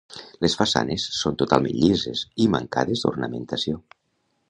Les façanes són totalment llises i mancades d'ornamentació.